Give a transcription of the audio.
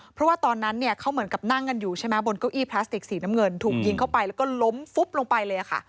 เพราะว่าตอนนั้นเนี่ยเขาเหมือนกับนั่งกันอยู่ใช่ไหมบนเก้าอี้พลาสติกสีน้ำเงินถูกยิงเข้าไปแล้วก็ล้มฟุบลงไปเลยค่ะ